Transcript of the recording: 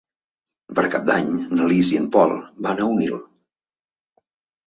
Per Cap d'Any na Lis i en Pol van a Onil.